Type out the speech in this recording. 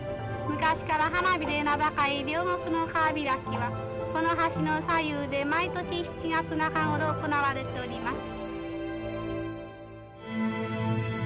昔から花火で名高い両国の川開きはこの橋の左右で毎年７月中頃行われております。